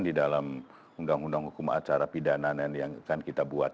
di dalam undang undang hukum acara pidana yang akan kita buat